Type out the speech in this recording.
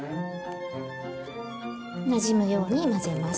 なじむように混ぜます。